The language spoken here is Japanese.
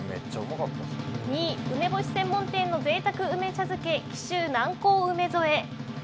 ２位、梅干専門店の贅沢梅茶漬け紀州南高梅添え。